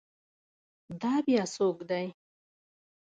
دا بیا څوک دی؟